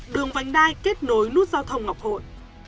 đường vánh đai kết nối nút giao thông ngọc hội